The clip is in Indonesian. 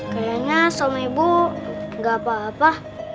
kayaknya sama ibu gak apa apa